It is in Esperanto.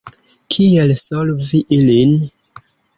Kiel solvi ilin?